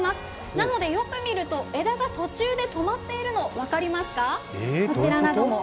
なので、よく見ると枝が途中で止まっているの分かりますか？